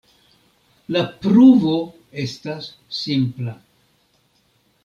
La pruvo estas simpla.